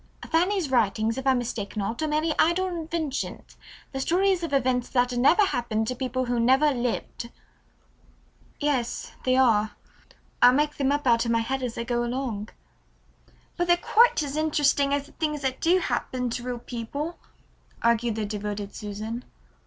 Fanny's writings, if I mistake not, are merely idle inventions, the stories of events that never happened to people who never lived." "Yes, they are," agreed the ashamed Fanny. "I make them up out of my head as I go along." "But they're quite as interesting as the things that do happen to real people," argued the devoted Susan.